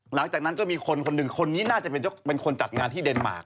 หลังจากนั้นก็มีคนคนหนึ่งคนนี้น่าจะเป็นคนจัดงานที่เดนมาร์ค